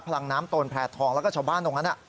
ลังน้ำตนแพร่ทองแล้วก็ชาวบ้านตรงนั้น